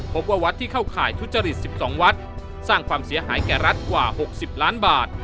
วัดที่เข้าข่ายทุจริต๑๒วัดสร้างความเสียหายแก่รัฐกว่า๖๐ล้านบาท